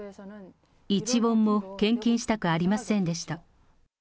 １ウォンも献金したくありませんでした。